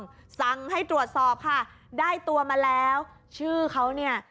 สั่งให้ตรวจสอบค่ะได้ตัวมาแล้วชื่อเขาเนี่ย